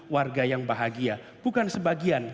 warga yang bahagia bukan sebagian